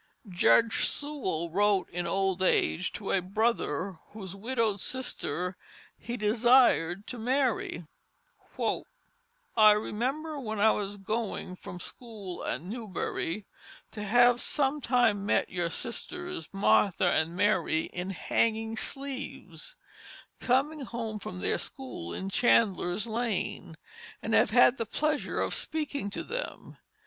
Judge Sewall wrote in old age to a brother whose widowed sister he desired to marry: "I remember when I was going from school at Newbury to have sometime met your sisters Martha and Mary in Hanging Sleeves, coming home from their school in Chandlers Lane, and have had the pleasure of speaking to them.